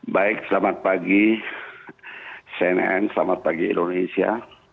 baik selamat pagi cnn selamat pagi indonesia